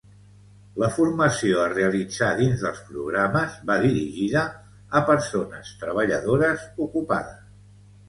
La formació a realitzar dins dels programes va dirigida a persones treballadores ocupades.